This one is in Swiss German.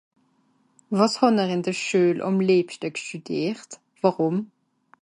Wàs hàn'r ìn de Schuel àm liebschte gstüdiert? Wàrùm ?